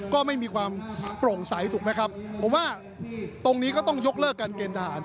ก็ไม่มีความโปร่งใสถูกไหมครับผมว่าตรงนี้ก็ต้องยกเลิกการเกณฑ์ทหาร